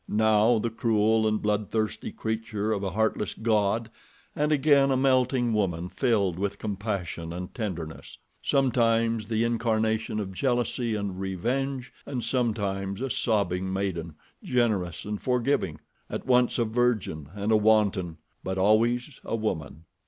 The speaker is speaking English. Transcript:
Now the cruel and bloodthirsty creature of a heartless god and again a melting woman filled with compassion and tenderness. Sometimes the incarnation of jealousy and revenge and sometimes a sobbing maiden, generous and forgiving; at once a virgin and a wanton; but always—a woman.